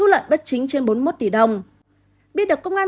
biết được công an tỉnh quảng ngã